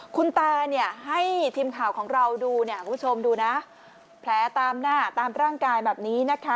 คุณตาเนี่ยให้ทีมข่าวของเราดูเนี่ยคุณผู้ชมดูนะแผลตามหน้าตามร่างกายแบบนี้นะคะ